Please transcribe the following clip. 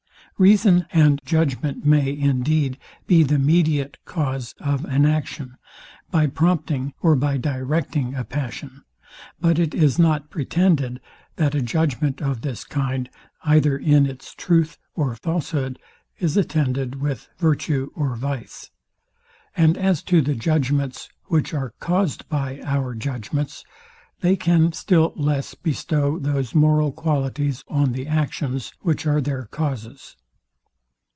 Reason and judgment may, indeed, be the mediate cause of an action, by prompting, or by directing a passion: But it is not pretended, that a judgment of this kind, either in its truth or falshood, is attended with virtue or vice. And as to the judgments, which are caused by our judgments, they can still less bestow those moral qualities on the actions, which are their causes.